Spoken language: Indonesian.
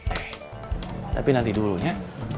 eh tapi nanti dulunya